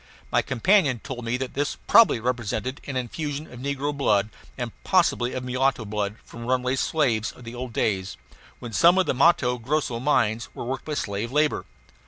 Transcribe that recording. My companion told me that this probably represented an infusion of negro blood, and possibly of mulatto blood, from runaway slaves of the old days, when some of the Matto Grosso mines were worked by slave labor.